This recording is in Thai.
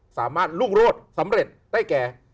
สามารถรุ่งโรธสำเร็จได้แก่